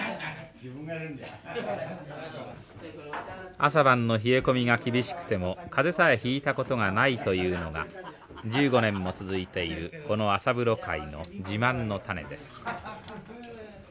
朝晩の冷え込みが厳しくても風邪さえひいたことがないというのが１５年も続いているこの朝風呂会の自慢の種です。